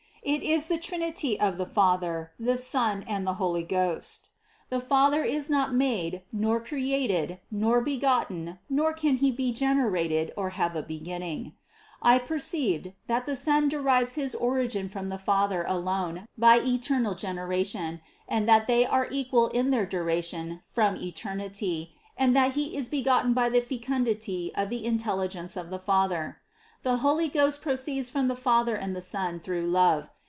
It is the Trinity of the Father, the Son and the Holy Ghost. The Father is not made, nor created, nor begotten, nor can He be generated or have a beginning. I perceived, that the Son derives his origin from the Father alone by eternal generation; and that They are equal in their duration from eternity ; and that He is begotten by the fecundity of the intelligence of the Father. The Holy Ghost pro ceeds from the Father and the Son through love.